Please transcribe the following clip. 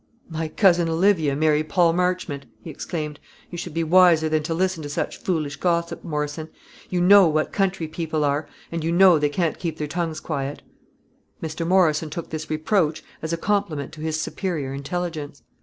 "My cousin Olivia marry Paul Marchmont!" he exclaimed. "You should be wiser than to listen to such foolish gossip, Morrison. You know what country people are, and you know they can't keep their tongues quiet." Mr. Morrison took this reproach as a compliment to his superior intelligence.